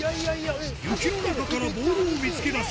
雪の中からボールを見つけ出し